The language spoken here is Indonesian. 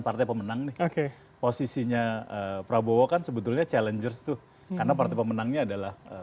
pemenang posisinya prabowo kan sebetulnya challengers tuh karena partai pemenangnya adalah